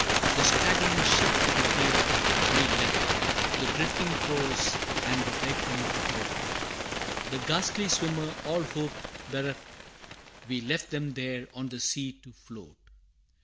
The staggering ship to the gale we left, The drifting corse and the vacant boat; The ghastly swimmer all hope bereft We left them there on the sea to float!